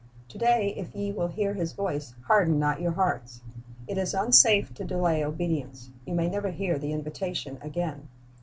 "To day if ye will hear His voice, harden not your hearts."' It is unsafe to delay obedience. You may never hear the invitation again.